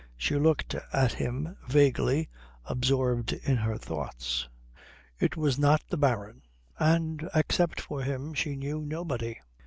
She looked at him vaguely, absorbed in her thoughts. It was not the Baron, and except for him she knew nobody.